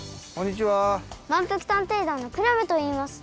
まんぷく探偵団のクラムといいます。